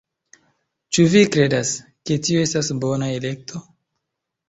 Ĉu vi kredas, ke tio estas bona elekto